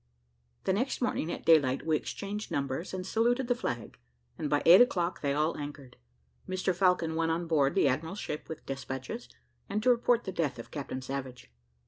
The next morning at daylight we exchanged numbers, and saluted the flag, and by eight o'clock they all anchored. Mr Falcon went on board the admiral's ship with despatches, and to report the death of Captain Savage.